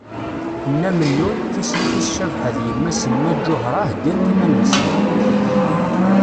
Nna Mennun, tislit-is Cabḥa d yemma-s Nna Ǧuhra heyyant iman-nsent.